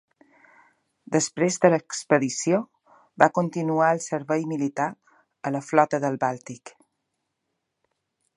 Després de l'expedició, va continuar el servei militar a la Flota del Bàltic.